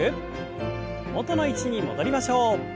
元の位置に戻りましょう。